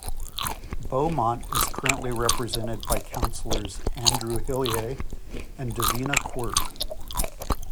Beaumont is currently represented by councilors Andrew Hillier and Davina Quirke.